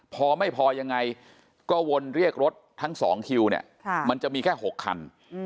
พอไม่พอยังไงก็วนเรียกรถทั้ง๒คิวเนี่ยมันจะมีแค่๖คัน